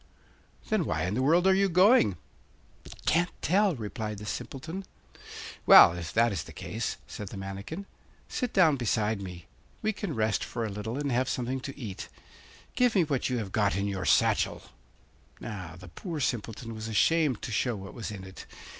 'Then why in the world are you going?' 'Can't tell,' replied the Simpleton. 'Well, if that is the case,' said the manikin, 'sit down beside me; we can rest for a little and have something to eat. Give me what you have got in your satchel.' Now, the poor Simpleton was ashamed to show what was in it.